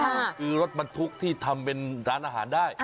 น่าจะมีทุกคนได้